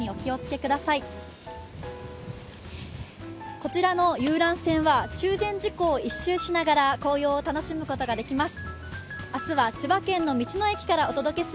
こちらの遊覧船は中禅寺湖を１周しながら紅葉を楽しむことができます。